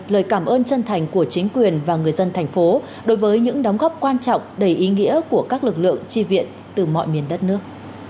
lời cảm ơn chân thành của chính quyền và người dân thành phố đối với những đóng góp quan trọng đầy ý nghĩa của các lực lượng tri viện từ mọi miền đất nước